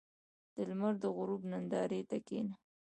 • د لمر د غروب نندارې ته کښېنه.